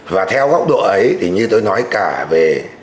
và theo góc độ ấy thì như tôi nói cả về